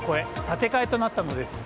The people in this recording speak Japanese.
建て替えとなったのです。